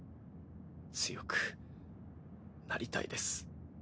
強くなりたいです。